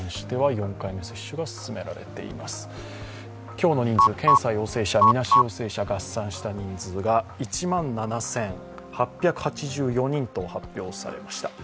今日の人数、検査陽性者、みなし陽性者、合算した人数が１万７８８４人と発表されました。